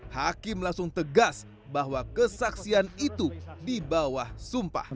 hakim langsung tegas bahwa kesaksian itu di bawah sumpah